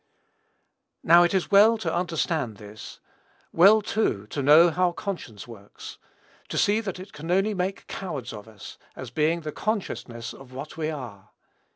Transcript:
Now, it is well to understand this; well, too, to know how conscience works, to see that it can only make cowards of us, as being the consciousness of what we are.